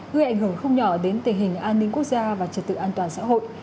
gây ảnh hưởng không nhỏ đến tình hình an ninh quốc gia và trật tự an toàn xã hội